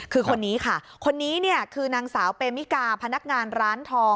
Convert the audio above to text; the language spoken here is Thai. คือคนนี้ค่ะคนนี้เนี่ยคือนางสาวเปมิกาพนักงานร้านทอง